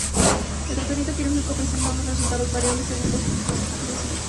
El tratamiento quirúrgico presenta unos resultados variables según los distintos equipos de cirugía.